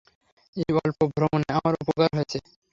এই অল্প ভ্রমণে আমার উপকার হয়েছে।